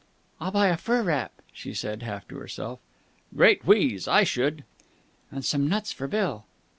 "I'll buy a fur wrap," she said, half to herself. "Great wheeze! I should!" "And some nuts for Bill!"